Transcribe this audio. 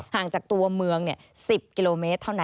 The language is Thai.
ห่างจากตัวเมือง๑๐กิโลเมตรเท่านั้น